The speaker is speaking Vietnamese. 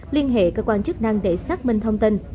liên hệ cơ quan chức năng để xác minh thông tin